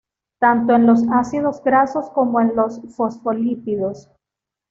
Tanto en los ácidos grasos como en los fosfolípidos.